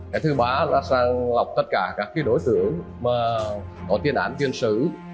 cái thứ ba là sang lọc tất cả các cái đối tượng mà có tiền án tuyên sử